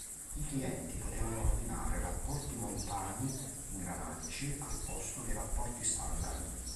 I clienti potevano ordinare rapporti "montani" ingranaggi al posto dei rapporti standard.